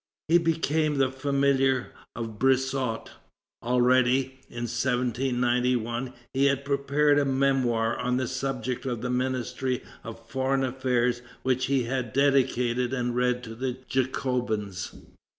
He became the familiar of Brissot. Already, in 1791, he had prepared a memoir on the subject of the Ministry of Foreign Affairs which he dedicated and read to the Jacobins.